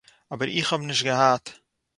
אָבער איך האָב נישט געהאַט